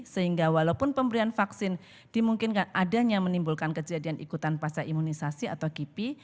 sehingga walaupun pemberian vaksin dimungkinkan adanya menimbulkan kejadian ikutan pasca imunisasi atau kipi